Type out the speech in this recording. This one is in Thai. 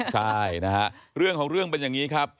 ใช่นะฮะเรื่องของเรื่องเป็นอย่างนี้ครับ